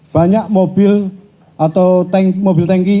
banyak mobil atau tank mobil tanki